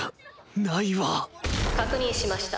「確認しました。